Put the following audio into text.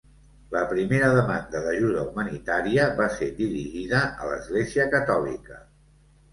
La primera demanda d'ajuda humanitària va ser dirigida a l'Església Catòlica.